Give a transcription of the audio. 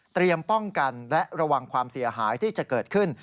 ป้องกันและระวังความเสียหายที่จะเกิดขึ้น